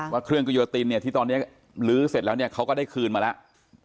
ว่าเครื่องกิโยตินเนี่ยที่ตอนนี้ลื้อเสร็จแล้วเนี่ยเขาก็ได้คืนมาแล้ว